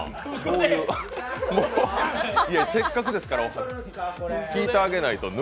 せっかくですから聞いてあげないと。